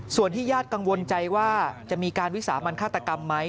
ส่วนที่ญาติกังวลใจว่าจะมีการวิสามันฆาตกรรมไหม